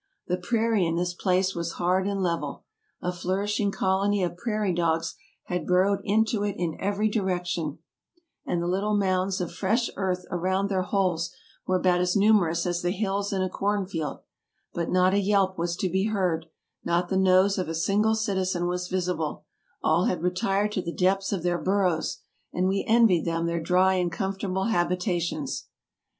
The prairie in this place was hard and level. A flourishing colony of prairie dogs had burrowed into it in every direction, and the little mounds of fresh earth around their holes were about as numerous as the hills in a cornfield; but not a yelp was to be heard; not the nose of a single citizen was visible; all had retired to the depths of their burrows, and we envied them their dry and comfortable habitations.